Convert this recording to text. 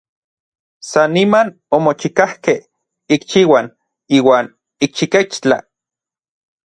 San niman omochikajkej ikxiuan iuan ikxikechtla.